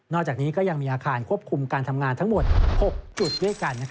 จากนี้ก็ยังมีอาคารควบคุมการทำงานทั้งหมด๖จุดด้วยกัน